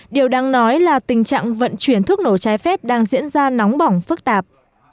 điều đáng nói là tình trạng vận chuyển thuốc nổ trái phép đang diễn ra nóng bỏng phức tạp